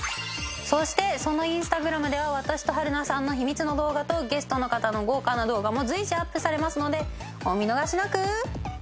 そしてそのインスタグラムでは私と春菜さんの秘密の動画とゲストの方の豪華な動画も随時アップされますのでお見逃しなく。